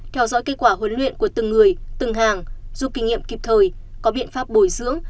theo dõi kết quả huấn luyện của từng người từng hàng giúp kinh nghiệm kịp thời có biện pháp bồi dưỡng